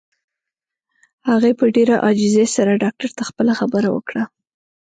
هغې په ډېره عاجزۍ سره ډاکټر ته خپله خبره وکړه.